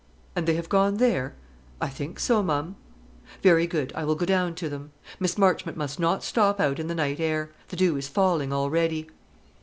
"And they have gone there?" "I think so, ma'am." "Very good; I will go down to them. Miss Marchmont must not stop out in the night air. The dew is falling already."